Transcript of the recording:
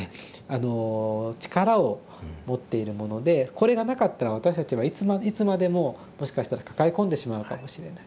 あの力を持っているものでこれがなかったら私たちはいつまでももしかしたら抱え込んでしまうかもしれない。